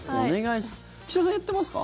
岸田さんやってますか？